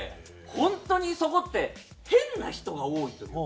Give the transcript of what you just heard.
本当にそこって変な人が多いというか。